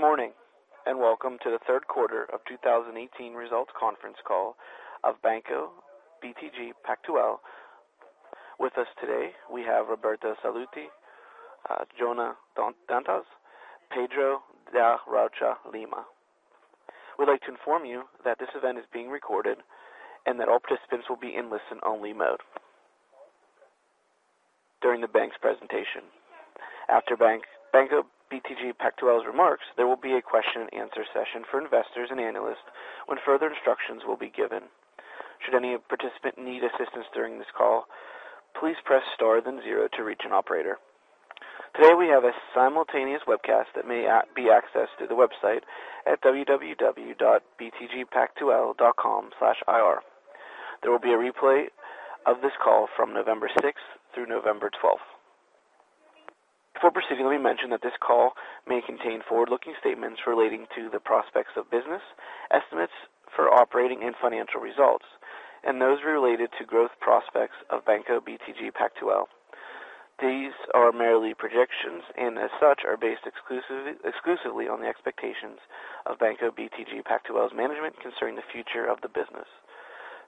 Good morning, and welcome to the third quarter of 2018 results conference call of Banco BTG Pactual. With us today, we have Roberto Sallouti, João Dantas, Pedro da Rocha Lima. We'd like to inform you that this event is being recorded, that all participants will be in listen-only mode during the bank's presentation. After Banco BTG Pactual's remarks, there will be a question and answer session for investors and analysts when further instructions will be given. Should any participant need assistance during this call, please press star then zero to reach an operator. Today, we have a simultaneous webcast that may be accessed through the website at www.btgpactual.com/ir. There will be a replay of this call from November sixth through November twelfth. Before proceeding, let me mention that this call may contain forward-looking statements relating to the prospects of business, estimates for operating and financial results, and those related to growth prospects of Banco BTG Pactual. These are merely projections, as such, are based exclusively on the expectations of Banco BTG Pactual's management concerning the future of the business.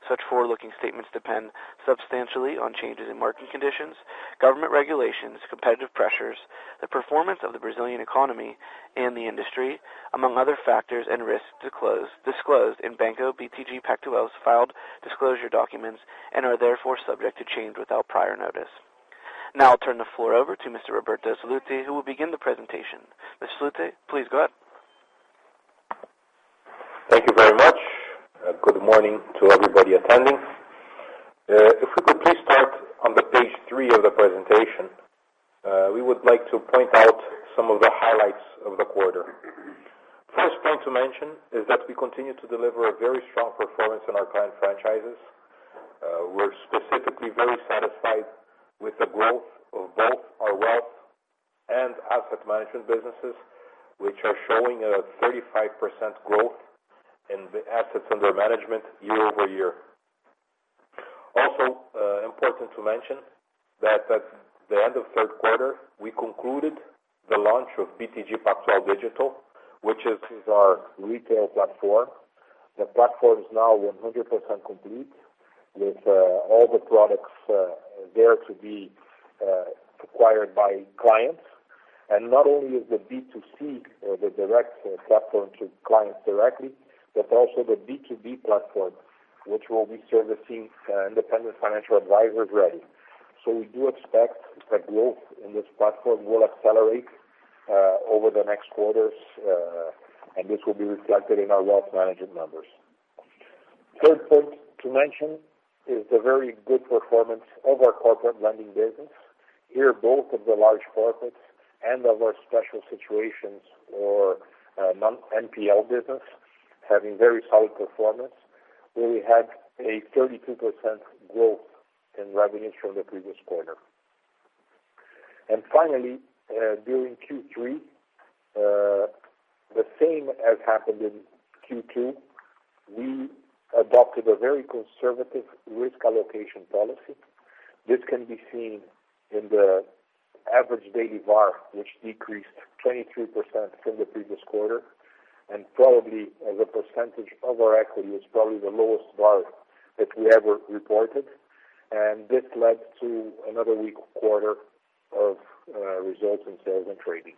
Such forward-looking statements depend substantially on changes in market conditions, government regulations, competitive pressures, the performance of the Brazilian economy and the industry, among other factors and risks disclosed in Banco BTG Pactual's filed disclosure documents and are therefore subject to change without prior notice. I'll turn the floor over to Mr. Roberto Sallouti, who will begin the presentation. Mr. Sallouti, please go ahead. Thank you very much. Good morning to everybody attending. We could please start on the page three of the presentation. We would like to point out some of the highlights of the quarter. First point to mention is that we continue to deliver a very strong performance in our current franchises. We're specifically very satisfied with the growth of both our Wealth Management and Asset Management businesses, which are showing a 35% growth in the assets under management year over year. Also important to mention that at the end of the third quarter, we concluded the launch of BTG Pactual Digital, which is our retail platform. The platform is now 100% complete with all the products there to be acquired by clients. Not only is the B2C or the direct platform to clients directly, but also the B2B platform, which will be servicing independent financial advisors ready. We do expect that growth in this platform will accelerate over the next quarters, and this will be reflected in our Wealth Management numbers. Third point to mention is the very good performance of our Corporate Lending business. Here, both of the large corporates and of our special situations or NPL business having very solid performance, where we had a 32% growth in revenues from the previous quarter. Finally, during Q3, the same as happened in Q2, we adopted a very conservative risk allocation policy. This can be seen in the average daily VaR, which decreased 23% from the previous quarter, and probably as a percentage of our equity, is probably the lowest VaR that we ever reported. This led to another weak quarter of results in Sales and Trading.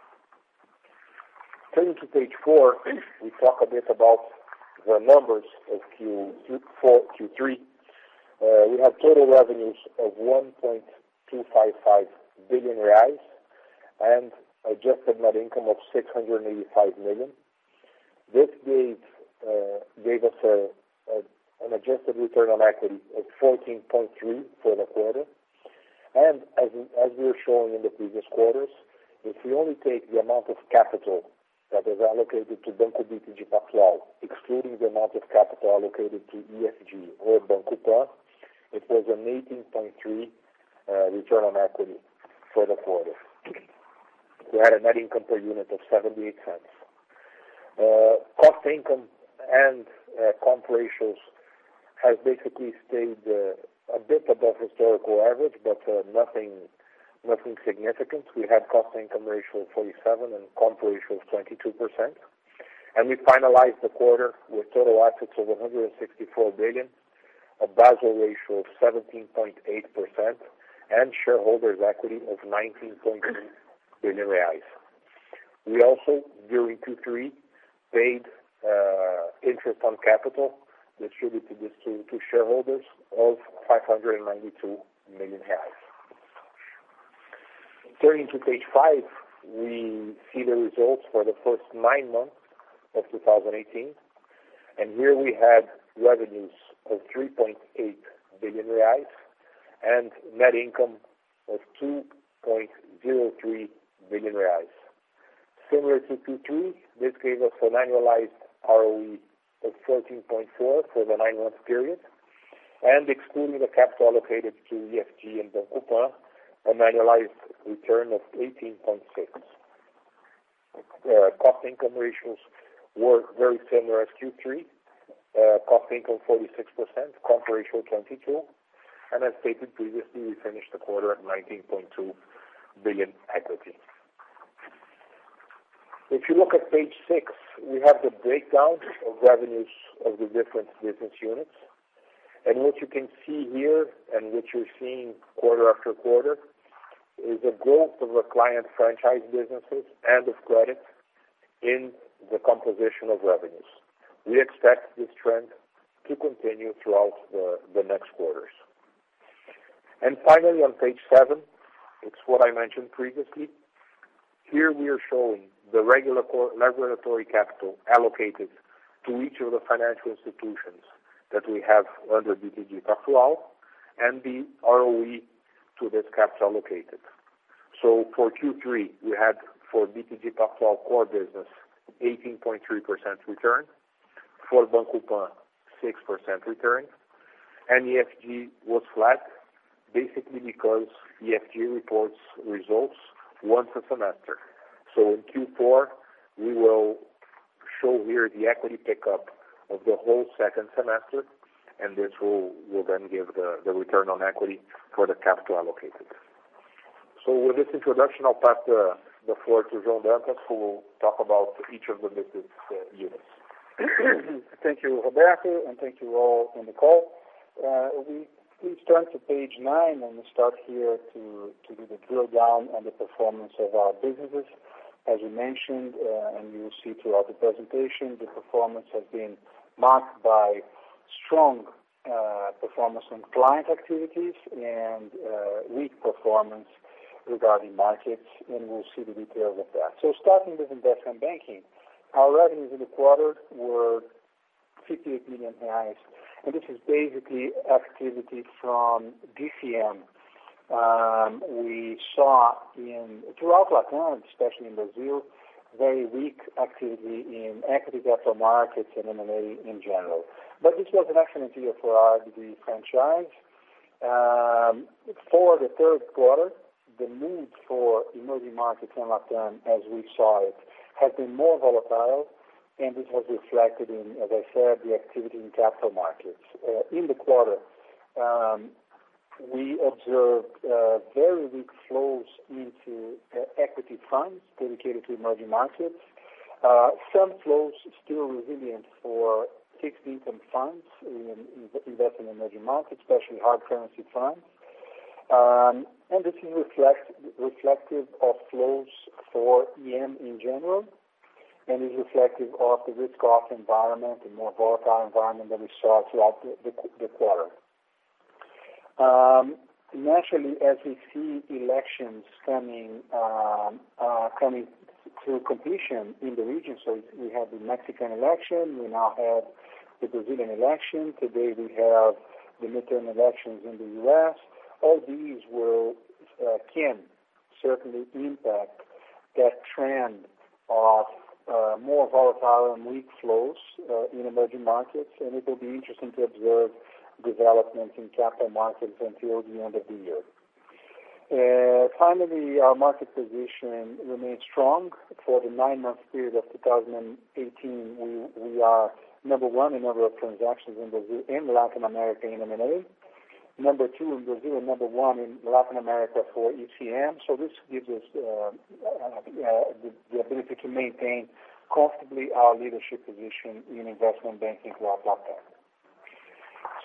Turning to page four, we talk a bit about the numbers of Q3. We have total revenues of 1.255 billion reais and adjusted net income of 685 million. This gave us an adjusted ROE of 14.3% for the quarter. As we are showing in the previous quarters, if we only take the amount of capital that is allocated to Banco BTG Pactual, excluding the amount of capital allocated to EFG or Banco Pan, it was an 18.3% ROE for the quarter. We had a net income per unit of 0.78. Cost income and comp ratios have basically stayed a bit above historical average, but nothing significant. We had CIR of 47% and comp ratio of 22%. We finalized the quarter with total assets of 164 billion, a Basel ratio of 17.8%, and shareholders equity of 19.3 billion reais. We also, during Q3, paid interest on capital distributed to shareholders of 592 million reais. Turning to page five, we see the results for the first nine months of 2018, here we have revenues of 3.8 billion reais and net income of 2.03 billion reais. Similar to Q2, this gave us an annualized ROE of 14.4% for the nine-month period, and excluding the capital allocated to EFG and Banco Pan, an annualized return of 18.6%. Cost-income ratios were very similar as Q3. CIR 46%, comp ratio 22%. As stated previously, we finished the quarter at 19.2 billion equity. If you look at page six, we have the breakdown of revenues of the different business units. What you can see here, what you're seeing quarter after quarter, is the growth of the client franchise businesses and of credit in the composition of revenues. We expect this trend to continue throughout the next quarters. Finally, on page seven, it's what I mentioned previously. Here we are showing the regulatory capital allocated to each of the financial institutions that we have under BTG Pactual and the ROE to this capital allocated. For Q3, we had for BTG Pactual core business, 18.3% return, for Banco Pan 6% return, and EFG was flat, basically because EFG reports results once a semester. In Q4, we will show here the equity pickup of the whole second semester, this will then give the ROE for the capital allocated. With this introduction, I'll pass the floor to João Dantas, who will talk about each of the business units. Thank you, Roberto, thank you all on the call. Please turn to page nine, we start here to do the drill down on the performance of our businesses. As we mentioned, you will see throughout the presentation, the performance has been marked by strong performance on client activities and weak performance regarding markets, we'll see the details of that. Starting with Investment Banking, our revenues in the quarter were 58 million reais, this is basically activity from DCM. We saw throughout Latin, especially in Brazil, very weak activity in ECM and M&A in general. This was an excellent year for our DCM franchise. For the third quarter, the mood for EM in Latin, as we saw it, has been more volatile, this was reflected in, as I said, the activity in capital markets. In the quarter, we observed very weak flows into equity funds dedicated to emerging markets. Some flows still resilient for fixed income funds in investment in emerging markets, especially hard currency funds. This is reflective of flows for EM in general and is reflective of the risk-off environment, a more volatile environment than we saw throughout the quarter. Naturally, as we see elections coming to completion in the region, we had the Mexican election, we now have the Brazilian election, today we have the midterm elections in the U.S., all these can certainly impact that trend of more volatile and weak flows in emerging markets, and it will be interesting to observe developments in capital markets until the end of the year. Finally, our market position remains strong. For the nine-month period of 2018, we are number 1 in number of transactions in Latin America in M&A, number 2 in Brazil, and number 1 in Latin America for ECM. This gives us the ability to maintain comfortably our leadership position in Investment Banking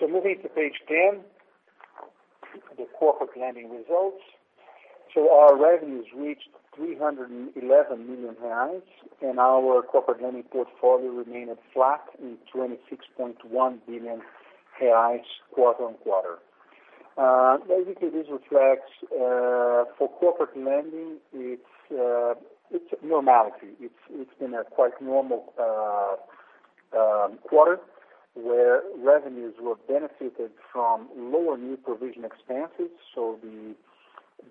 throughout Latin. Moving to page 10, the Corporate Lending results. Our revenues reached 311 million reais, and our Corporate Lending portfolio remained flat in 26.1 billion reais quarter-on-quarter. Basically, this reflects for Corporate Lending, it's a normality. It's been a quite normal quarter where revenues were benefited from lower new provision expenses.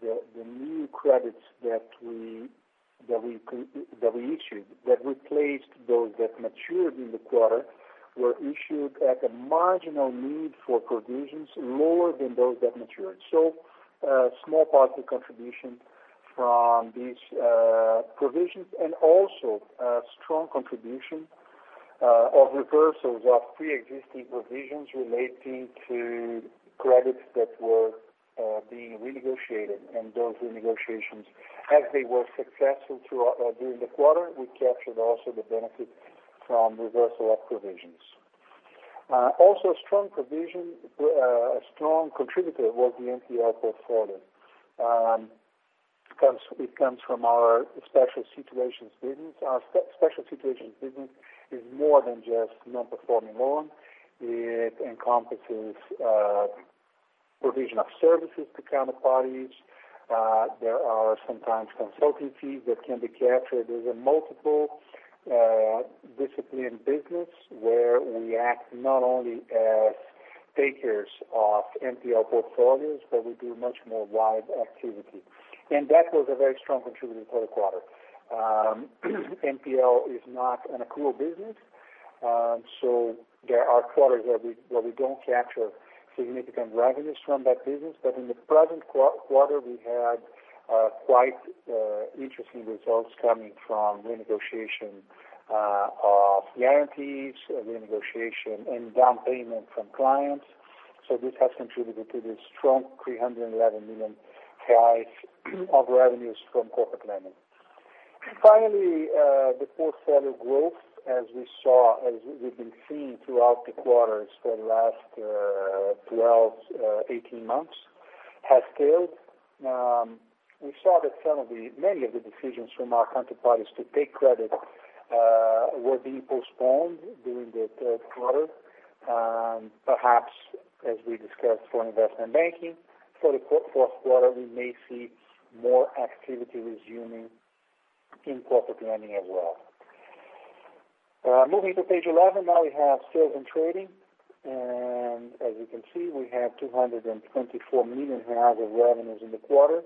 The new credits that we issued that replaced those that matured in the quarter were issued at a marginal need for provisions lower than those that matured. A small positive contribution from these provisions and also a strong contribution of reversals of preexisting provisions relating to credits that were being renegotiated and those renegotiations as they were successful during the quarter, we captured also the benefit from reversal of provisions. Also a strong contributor was the NPL portfolio. It comes from our special situations business. Our special situations business is more than just non-performing loan. It encompasses provision of services to counterparties. There are sometimes consulting fees that can be captured. There's a multiple discipline business where we act not only as takers of NPL portfolios, but we do much more wide activity. That was a very strong contributor for the quarter. NPL is not an accrual business. There are quarters where we don't capture significant revenues from that business. In the present quarter, we had quite interesting results coming from renegotiation of guarantees, renegotiation and down payment from clients. This has contributed to the strong 311 million of revenues from Corporate Lending. Finally, the portfolio growth, as we've been seeing throughout the quarters for the last 12, 18 months, has scaled. We saw that many of the decisions from our counterparties to take credit were being postponed during the third quarter. Perhaps as we discussed for Investment Banking, for the fourth quarter, we may see more activity resuming in Corporate Lending as well. Moving to page 11, now we have Sales and Trading. As you can see, we have 224 million of revenues in the quarter,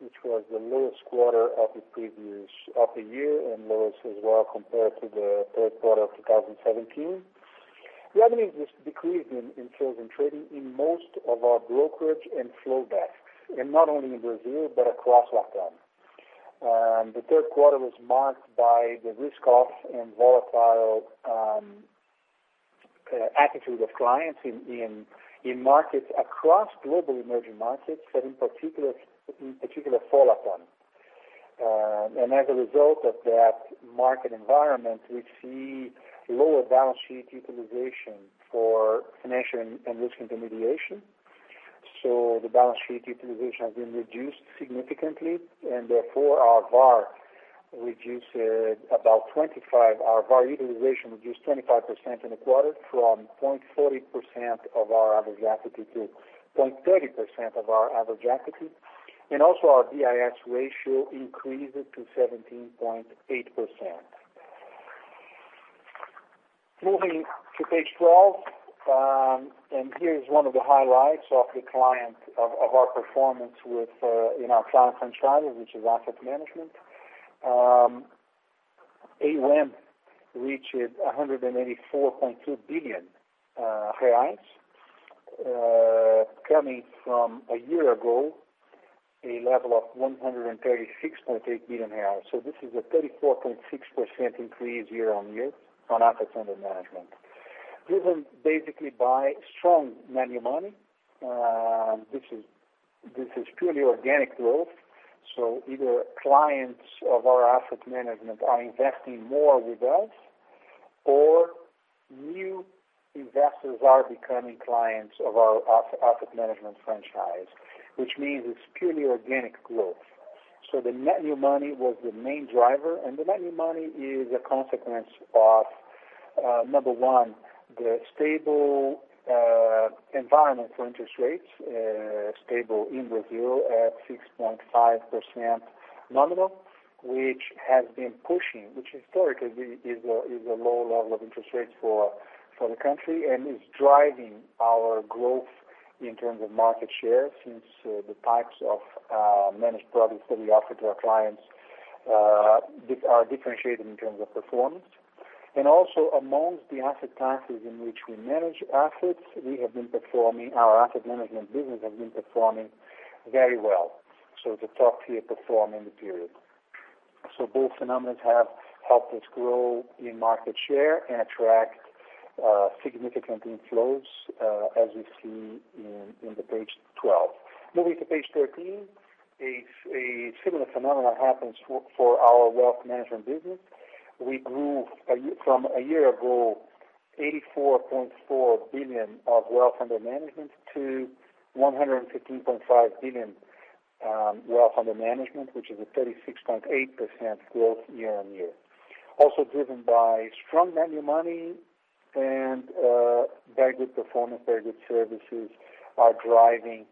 which was the lowest quarter of the year and lowest as well compared to the third quarter of 2017. Revenues decreased in Sales and Trading in most of our brokerage and flow desks, not only in Brazil but across LatAm. The third quarter was marked by the risk-off and volatile attitude of clients in markets across global emerging markets, but in particular fall upon. As a result of that market environment, we see lower balance sheet utilization for financial and risk intermediation. The balance sheet utilization has been reduced significantly, therefore our VaR utilization reduced 25% in the quarter from 0.40% of our average equity to 0.30% of our average equity. Also our BIS ratio increased to 17.8%. Moving to page 12, here is one of the highlights of our performance in our client franchise, which is Asset Management. AUM reached 184.2 billion reais, coming from a year ago, a level of 136.8 billion reais. This is a 34.6% increase year-on-year on assets under management, driven basically by strong net new money. This is purely organic growth. Either clients of our asset management are investing more with us or new investors are becoming clients of our asset management franchise, which means it's purely organic growth. The net new money was the main driver, the net new money is a consequence of, number one, the stable environment for interest rates, stable in Brazil at 6.5% nominal, which historically is a low level of interest rates for the country and is driving our growth in terms of market share since the types of managed products that we offer to our clients are differentiated in terms of performance. Also amongst the asset classes in which we manage assets, our asset management business has been performing very well. The top-tier perform in the period. Both phenomenons have helped us grow in market share and attract significant inflows as we see in the page 12. Moving to page 13, a similar phenomenon happens for our Wealth Management business. We grew from a year ago, 84.4 billion of wealth under management to 115.5 billion wealth under management, which is a 36.8% growth year-on-year. Also driven by strong net new money and very good performance, very good services are driving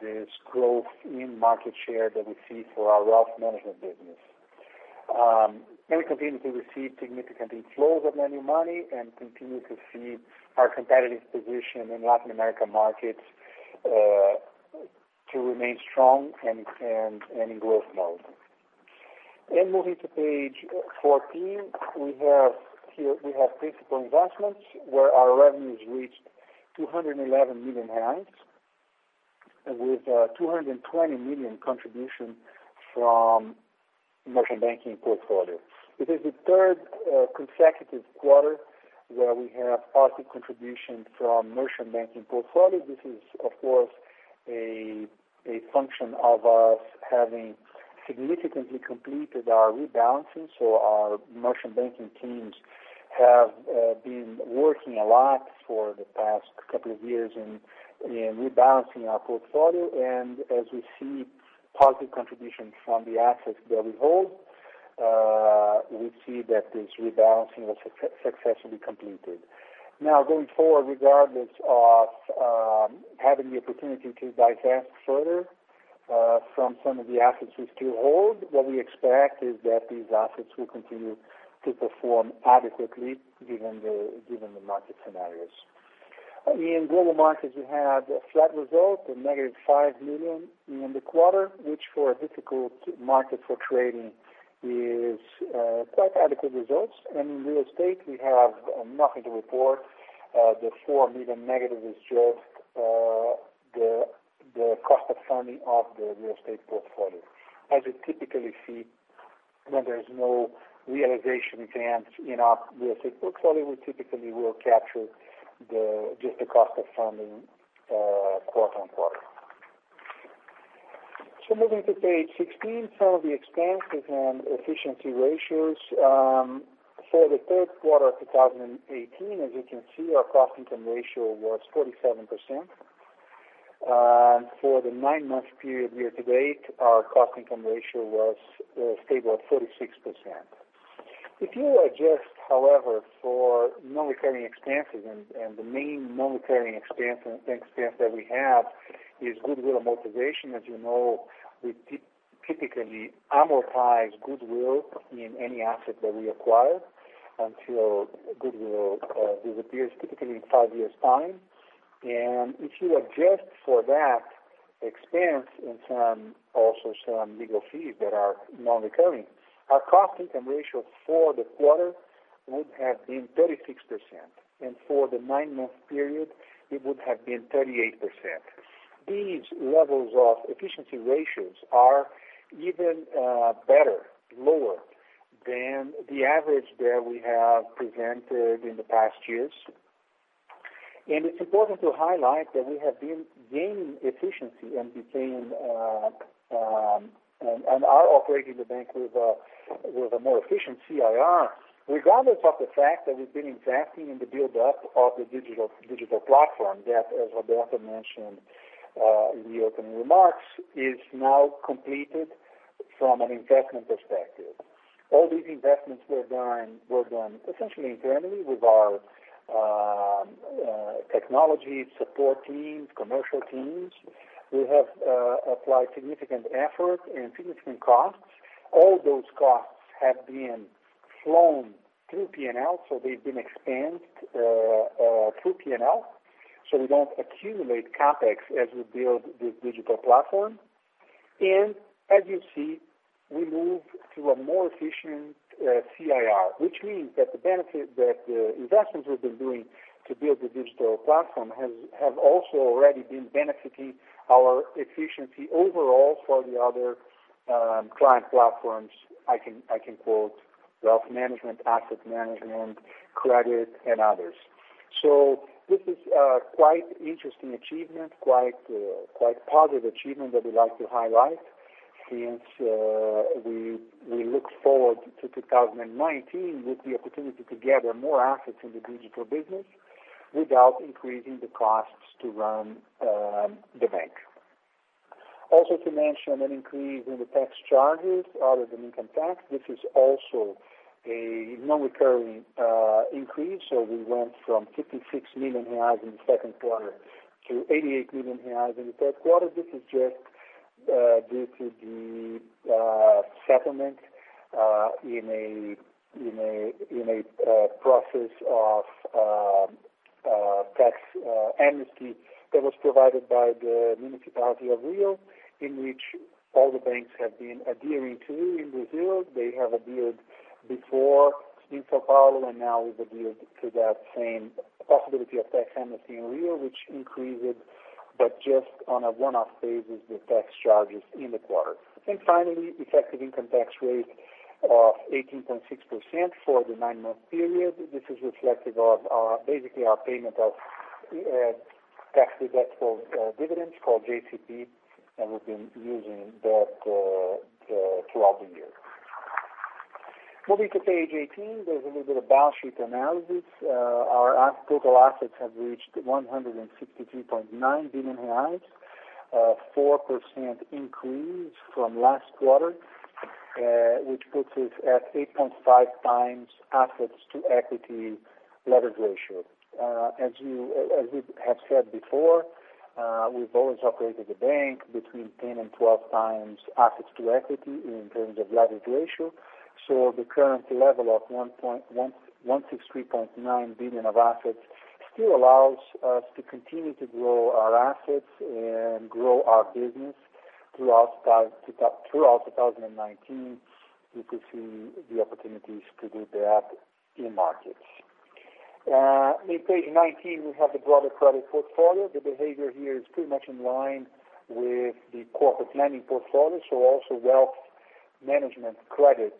this growth in market share that we see for our Wealth Management business. We continue to receive significant inflows of net new money and continue to see our competitive position in Latin America markets to remain strong and in growth mode. Moving to page 14, we have principal investments where our revenues reached 211 million with 220 million contribution from merchant banking portfolio. This is the third consecutive quarter where we have positive contribution from merchant banking portfolio. This is, of course, a function of us having significantly completed our rebalancing. Our merchant banking teams have been working a lot for the past couple of years in rebalancing our portfolio, as we see positive contribution from the assets that we hold, we see that this rebalancing was successfully completed. Going forward, regardless of having the opportunity to divest further from some of the assets we still hold, what we expect is that these assets will continue to perform adequately given the market scenarios. In global markets, we had a flat result of negative 5 million in the quarter, which for a difficult market for trading is quite adequate results. In real estate, we have nothing to report. The 4 million negative is just the cost of funding of the real estate portfolio. As you typically see when there is no realization gains in our real estate portfolio, we typically will capture just the cost of funding quarter-on-quarter. Moving to page 16, some of the expenses and efficiency ratios. For the third quarter of 2018, as you can see, our cost income ratio was 47%. For the nine-month period year-to-date, our cost income ratio was stable at 46%. If you adjust, however, for non-recurring expenses and the main non-recurring expense that we have is goodwill amortization. As you know, we typically amortize goodwill in any asset that we acquire until goodwill disappears, typically in five years' time. If you adjust for that expense and also some legal fees that are non-recurring, our cost income ratio for the quarter would have been 36%, and for the nine-month period, it would have been 38%. These levels of efficiency ratios are even better, lower than the average that we have presented in the past years. It's important to highlight that we have been gaining efficiency and are operating the bank with a more efficient CIR, regardless of the fact that we have been investing in the buildup of the digital platform that, as Roberto mentioned in the opening remarks, is now completed from an investment perspective. All these investments were done essentially internally with our technology support teams, commercial teams. We have applied significant effort and significant costs. All those costs have been flown through P&L, so they have been expensed through P&L. We don't accumulate CapEx as we build this digital platform. As you see, we move to a more efficient CIR. Which means that the benefit that the investments we have been doing to build the digital platform have also already been benefiting our efficiency overall for the other client platforms. I can quote Wealth Management, Asset Management, credit and others. This is a quite interesting achievement, quite positive achievement that we like to highlight since we look forward to 2019 with the opportunity to gather more assets in the digital business without increasing the costs to run the bank. Also to mention an increase in the tax charges other than income tax. This is also a non-recurring increase. We went from 56 million reais in the second quarter to 88 million reais in the third quarter. This is just due to the settlement in a process of tax amnesty that was provided by the Municipality of Rio, in which all the banks have been adhering to in Brazil. They have adhered before in São Paulo, and now we have adhered to that same possibility of tax amnesty in Rio, which increased, but just on a one-off basis, the tax charges in the quarter. Finally, effective income tax rate of 18.6% for the nine-month period. This is reflective of basically our payment of tax-deductible dividends called JCP, and we have been using that throughout the year. Moving to page 18, there is a little bit of balance sheet analysis. Our total assets have reached 163.9 billion reais, a 4% increase from last quarter, which puts us at 8.5x assets to equity leverage ratio. As we have said before, we have always operated the bank between 10 and 12 times assets to equity in terms of leverage ratio. The current level of 163.9 billion of assets still allows us to continue to grow our assets and grow our business throughout 2019. We could see the opportunities to do that in markets. In page 19, we have the broader credit portfolio. The behavior here is pretty much in line with the Corporate Lending portfolio. Also Wealth Management credit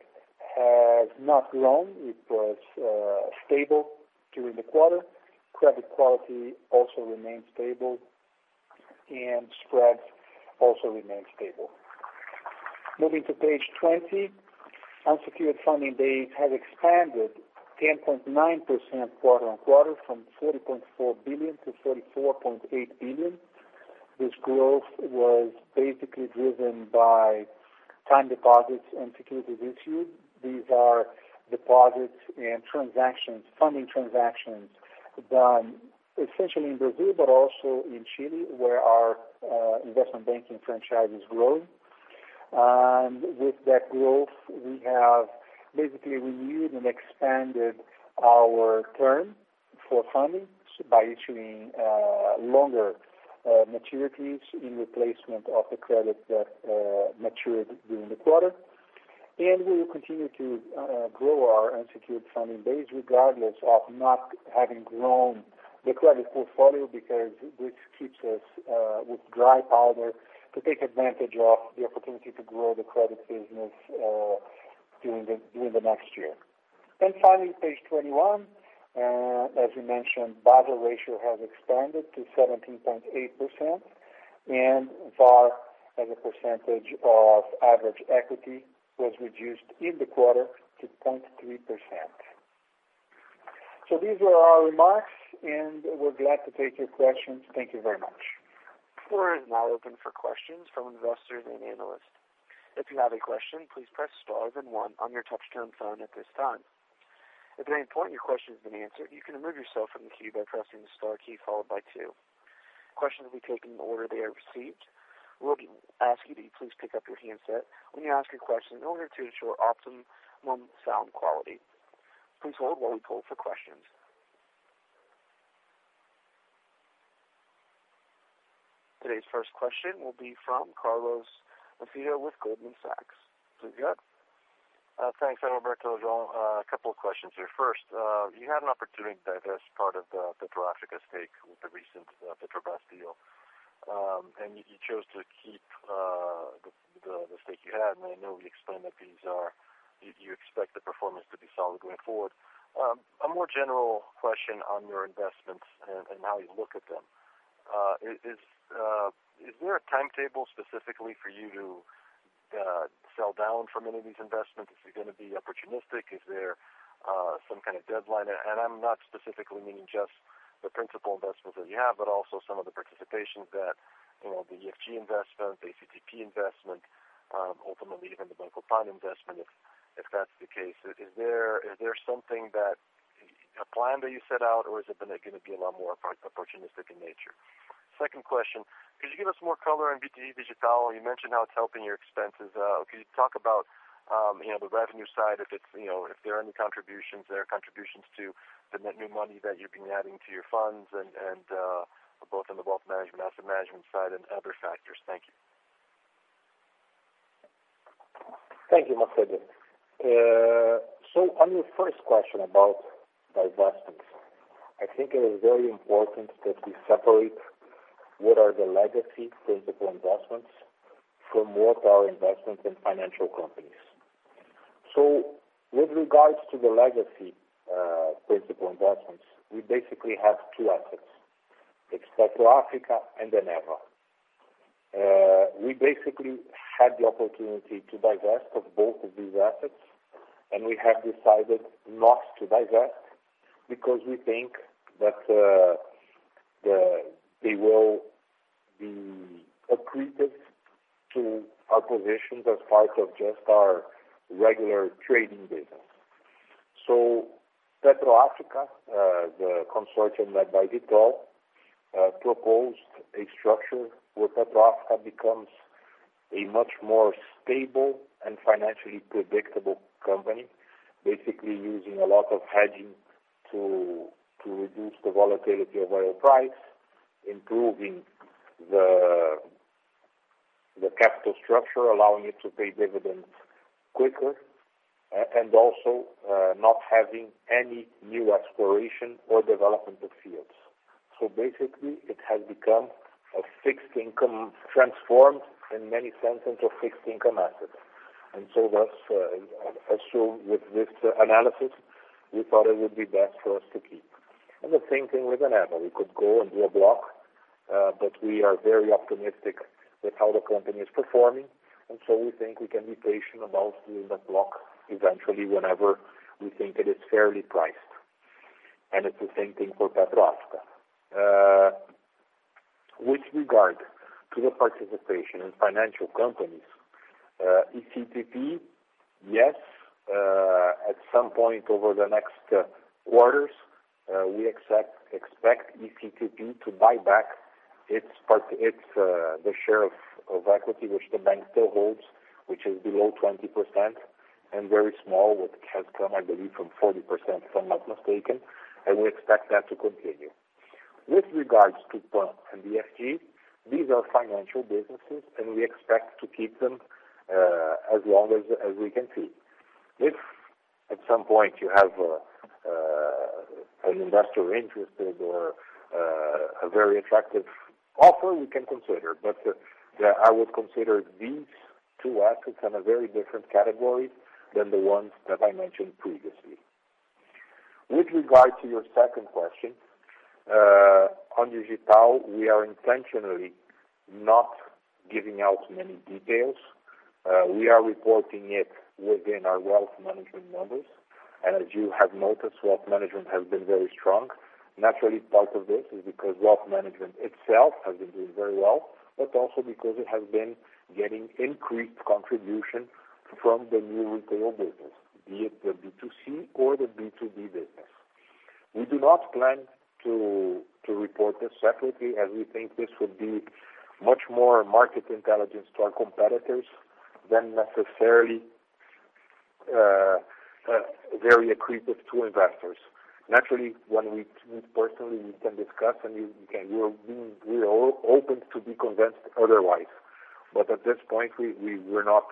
has not grown. It was stable during the quarter. Credit quality also remains stable and spreads also remain stable. Moving to page 20, unsecured funding base has expanded 10.9% quarter-on-quarter from 30.4 billion to 34.8 billion. This growth was basically driven by time deposits and securities issued. These are deposits and funding transactions done essentially in Brazil, but also in Chile, where our Investment Banking franchise is growing. With that growth, we have basically renewed and expanded our term for funding by issuing longer maturities in replacement of the credit that matured during the quarter. We will continue to grow our unsecured funding base regardless of not having grown the credit portfolio, because this keeps us with dry powder to take advantage of the opportunity to grow the credit business during the next year. Finally, page 21, as we mentioned, Basel ratio has expanded to 17.8%, and VaR as a percentage of average equity was reduced in the quarter to 0.3%. These were our remarks, and we're glad to take your questions. Thank you very much. The floor is now open for questions from investors and analysts. If you have a question, please press star then 1 on your touch-tone phone at this time. If at any point your question has been answered, you can remove yourself from the queue by pressing the star key followed by 2. Questions will be taken in the order they are received. We'll ask you to please pick up your handset when you ask your question in order to ensure optimum sound quality. Please hold while we poll for questions. Today's first question will be from Carlos Macedo with Goldman Sachs. Please go ahead. Thanks. Hi, Roberto, João. A couple of questions here. First, you had an opportunity to divest part of the PetroAfrica stake with the recent [Vitol-led] deal. You chose to keep the stake you had, and I know you explained that you expect the performance to be solid going forward. A more general question on your investments and how you look at them. Is there a timetable specifically for you to sell down from any of these investments? Is it going to be opportunistic? Is there some kind of deadline? I'm not specifically meaning just the principal investments that you have, but also some of the participations that, the EFG investment, the ECTP investment, ultimately even the Banco Pan investment, if that's the case. Is there something that, a plan that you set out or is it going to be a lot more opportunistic in nature? Second question, could you give us more color on BTG Pactual Digital? You mentioned how it's helping your expenses. Could you talk about the revenue side, if there are any contributions to the net new money that you've been adding to your funds and both on the Wealth Management, Asset Management side and other factors? Thank you. Thank you, Macedo. On your first question about divestments, I think it is very important that we separate what are the legacy principal investments from what are investments in financial companies. With regards to the legacy principal investments, we basically have two assets, PetroAfrica and Eneva. We basically had the opportunity to divest of both of these assets, and we have decided not to divest because we think that they will be accretive to our positions as part of just our regular trading business. PetroAfrica, the consortium led by Vitol, proposed a structure where PetroAfrica becomes a much more stable and financially predictable company, basically using a lot of hedging to reduce the volatility of oil price, improving the capital structure, allowing it to pay dividends quicker, and also not having any new exploration or development of fields. Basically, it has become a fixed income transform, in many senses, a fixed income asset. Thus, also with this analysis, we thought it would be best for us to keep. The same thing with Eneva. We could go and do a block, but we are very optimistic with how the company is performing, we think we can be patient about doing a block eventually whenever we think it is fairly priced. It's the same thing for PetroAfrica. With regard to the participation in financial companies, ECTP, yes, at some point over the next quarters, we expect ECTP to buy back the share of equity which the bank still holds, which is below 20% and very small, which has come, I believe, from 40%, if I'm not mistaken, and we expect that to continue. With regards to PAN and EFG, these are financial businesses. We expect to keep them, as long as we can see. If at some point you have an investor interested or a very attractive offer, we can consider. I would consider these two assets in a very different category than the ones that I mentioned previously. With regard to your second question, on Digital, we are intentionally not giving out many details. We are reporting it within our Wealth Management numbers. As you have noticed, Wealth Management has been very strong. Naturally, part of this is because Wealth Management itself has been doing very well, also because it has been getting increased contribution from the new retail business, be it the B2C or the B2B business. We do not plan to report this separately as we think this would be much more market intelligence to our competitors than necessarily very accretive to investors. Naturally, when we meet personally, we can discuss and we are open to be convinced otherwise. At this point, we were not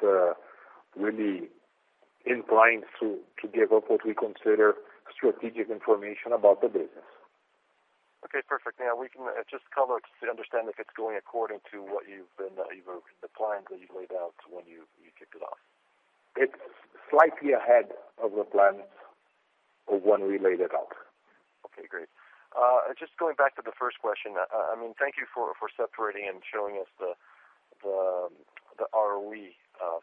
really inclined to give up what we consider strategic information about the business. Okay, perfect. Now we can just cover to understand if it's going according to the plans that you've laid out when you kicked it off. It's slightly ahead of the plan of when we laid it out. Okay, great. Just going back to the first question, thank you for separating and showing us the ROE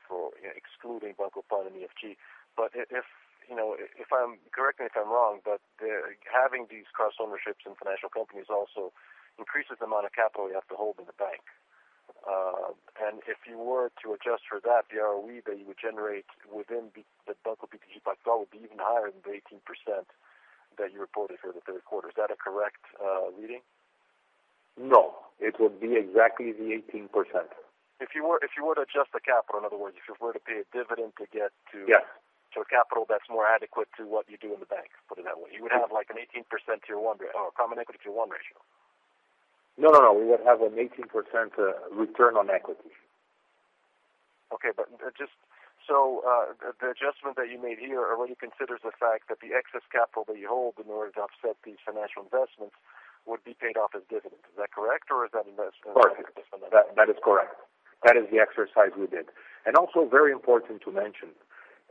for excluding Banco Pan and EFG. Correct me if I'm wrong, having these cross-ownerships in financial companies also increases the amount of capital you have to hold in the bank. If you were to adjust for that, the ROE that you would generate within the Banco BTG Pactual would be even higher than the 18% that you reported for the third quarter. Is that a correct reading? No, it would be exactly the 18%. If you were to adjust the capital, in other words, if you were to pay a dividend to get to Yeah a capital that's more adequate to what you do in the bank, put it that way. You would have like an 18% common equity to one ratio. No, we would have an 18% return on equity. Okay. The adjustment that you made here already considers the fact that the excess capital that you hold in order to offset these financial investments would be paid off as dividends. Is that correct? Correct. That is correct. That is the exercise we did. Also very important to mention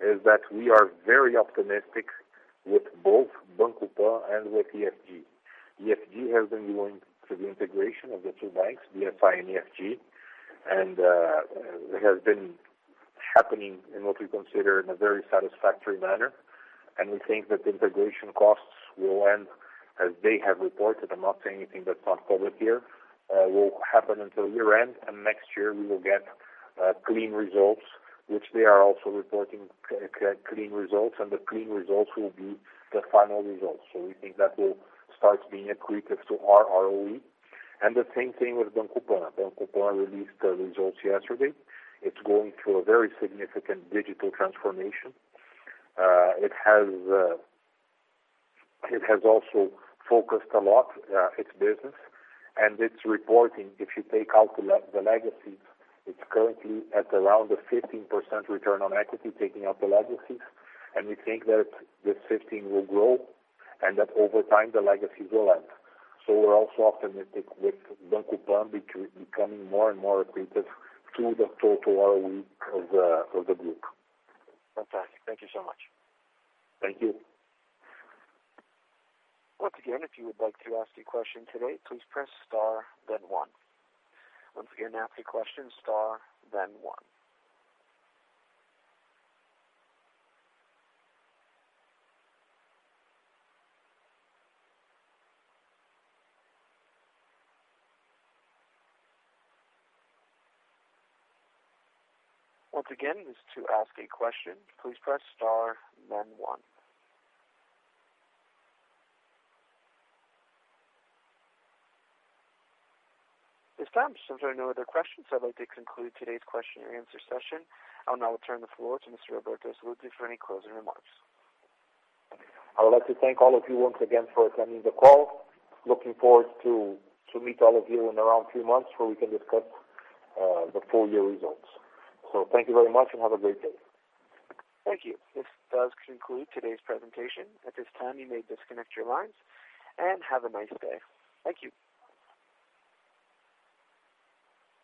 is that we are very optimistic with both Banco Pan and with EFG. EFG has been going through the integration of the two banks, BSI and EFG, and it has been happening in what we consider in a very satisfactory manner, and we think that the integration costs will end as they have reported. I'm not saying anything that's not public here, will happen until year-end, and next year we will get clean results, which they are also reporting clean results, and the clean results will be the final results. We think that will start being accretive to our ROE. The same thing with Banco Pan. Banco Pan released the results yesterday. It's going through a very significant digital transformation. It has also focused a lot its business, it's reporting, if you take out the legacies, it's currently at around a 15% return on equity, taking out the legacies. We think that this 15 will grow and that over time, the legacies will end. We're also optimistic with Banco Pan becoming more and more accretive to the total ROE of the group. Fantastic. Thank you so much. Thank you. Once again, if you would like to ask a question today, please press star then one. Once again, to ask a question, star then one. Once again, to ask a question, please press star then one. At this time, since there are no other questions, I'd like to conclude today's question and answer session. I will now turn the floor to Mr. Roberto Sallouti for any closing remarks. I would like to thank all of you once again for attending the call. Looking forward to meet all of you in around three months where we can discuss the full year results. Thank you very much and have a great day. Thank you. This does conclude today's presentation. At this time, you may disconnect your lines and have a nice day. Thank you.